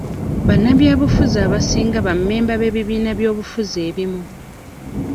Bannabyabufuzi abasinga ba mmemba b'ebibiina by'ebyobufuzi ebimu.